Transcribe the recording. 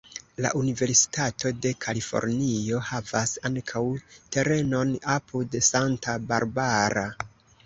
La Universitato de Kalifornio havas ankaŭ terenon apud Santa Barbara.